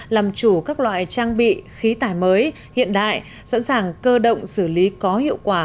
làm chủ các loại trang bị khí tải mới hiện đại sẵn sàng cơ động xử lý có hiệu quả